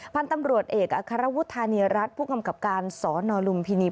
พันธุ์ตำรวจเอกอัครวุฒานีรัฐผู้กำกับการสนลุมพินี